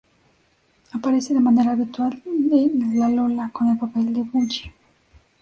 Aparece de manera habitual en "Lalola", con el papel de Boogie.